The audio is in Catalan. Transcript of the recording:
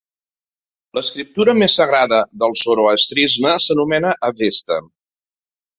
L"escriptura més sagrada del zoroastrisme s"anomena avesta.